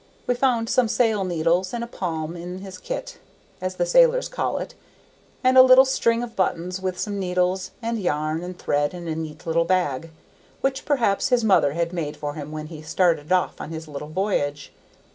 We found some sail needles and a palm in this "kit," as the sailors call it, and a little string of buttons with some needles and yarn and thread in a neat little bag, which perhaps his mother had made for him when he started off on his first voyage.